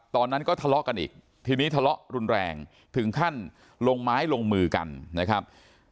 ตอนนั้นก็ทะเลาะกันอีกทีนี้ทะเลาะรุนแรงถึงขั้นลงไม้ลงมือกันนะครับ